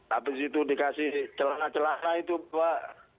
habis itu dikasih celana celana itu pak